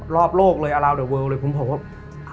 รอบโลกเลยอลาวเดอร์เวิลเลยผมบอกว่า